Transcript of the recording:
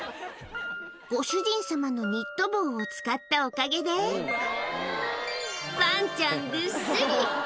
ご主人様のニット帽を使ったおかげで、ワンちゃんぐっすり。